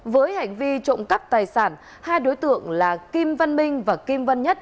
với hành vi trộm cắp tài sản hai đối tượng là kim vân minh và kim vân nhất